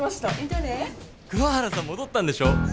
「桑原さん戻ったんでしょ？」